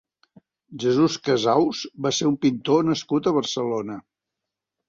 Jesús Casaus va ser un pintor nascut a Barcelona.